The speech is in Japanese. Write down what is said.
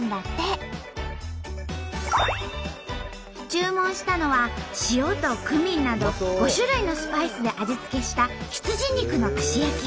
注文したのは塩とクミンなど５種類のスパイスで味付けした羊肉の串焼き。